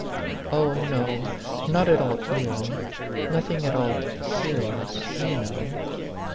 Oh, no, not at all ill, nothing at all serious, you know.